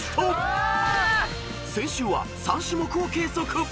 ［先週は３種目を計測］